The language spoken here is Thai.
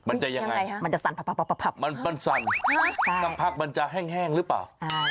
มันจะยังไงมันจะสั่นมันสั่นใช่สัมผัสมันจะแห้งแห้งหรือเปล่าอ่า